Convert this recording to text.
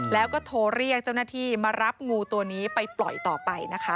แล้วก็โทรเรียกเจ้าหน้าที่มารับงูตัวนี้ไปปล่อยต่อไปนะคะ